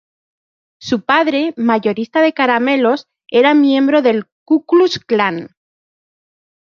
Su padre, mayorista de caramelos, era miembro del Ku Klux Klan.